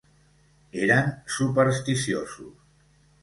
Eren supersticiosos.